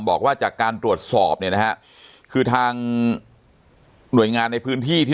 บอกว่าจากการตรวจสอบไงนะผู้ทางหน่วยงานในพื้นที่ที่